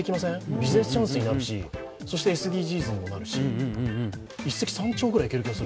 ビジネスチャンスになるしＳＤＧｓになるし一石三鳥くらいいける気がする。